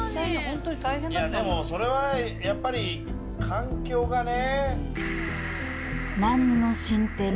いやでもそれはやっぱり環境がね？